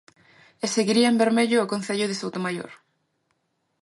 E seguiría en vermello o concello de Soutomaior.